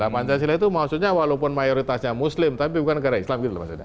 pancasila itu maksudnya walaupun mayoritasnya muslim tapi bukan negara islam